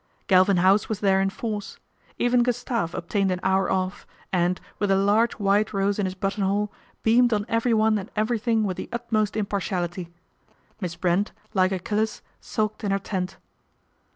Galvin House was there in force. Even Gustave obtained an hour off and, with a large white rose in his button hole, beamed on everyone and every thing with the utmost impartiality. Miss Brent, like Achilles, sulked in her tent.